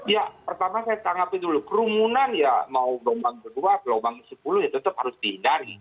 ya pertama saya tanggapi dulu kerumunan ya mau gelombang kedua gelombang sepuluh ya tetap harus dihindari